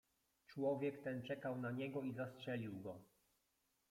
"Człowiek ten czekał na niego i zastrzelił go."